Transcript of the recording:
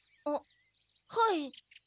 あっはい。